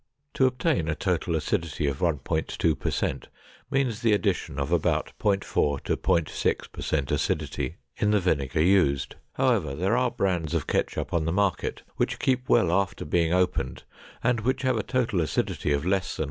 To obtain a total acidity of 1.2 per cent means the addition of about .4 to .6 per cent acidity in the vinegar used. However, there are brands of ketchup on the market which keep well after being opened and which have a total acidity of less than 1.